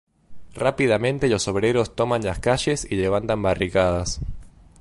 Rápidamente los obreros toman las calles y levantan barricadas.